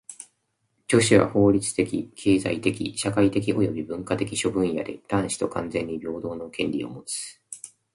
女子は法律的・経済的・社会的および文化的諸分野で男子と完全に平等の権利をもつ。